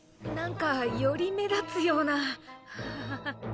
何かより目立つようなハハハ。